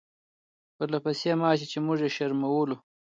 پرله پسې ماتې چې موږ یې شرمولو.